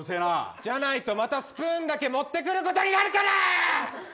じゃないとまたスプーンだけ持ってくることになるから。